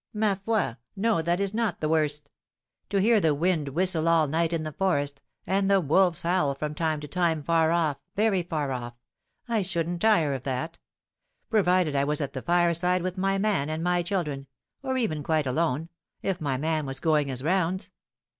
"Ma foi! No, that is not the worst. To hear the wind whistle all night in the forest, and the wolves howl from time to time far off, very far off, I shouldn't tire of that; provided I was at the fireside with my man and my children, or even quite alone, if my man was going his rounds.